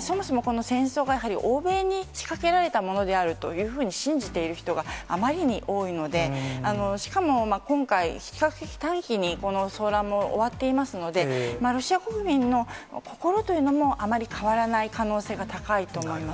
そもそもこの戦争がやはり欧米に仕掛けられたものであるというふうに信じている人が、あまりに多いので、しかも今回、比較的短期にこの騒乱も終わっていますので、ロシア国民の心というのもあまり変わらない可能性が高いと思います。